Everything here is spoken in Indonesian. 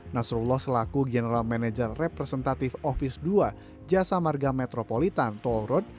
nasrullah selaku general manager representatif ofis dua jasa marga metropolitan toll road